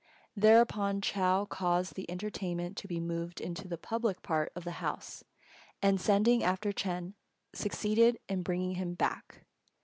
Thereupon Chou caused the entertainment to be moved into the public part of the house, and, sending after Ch'êng, succeeded in bringing him back.